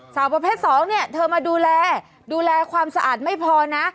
สาวประเภทสองเนี่ยเธอมาดูแลดูแลความสะอาดไม่พอนะ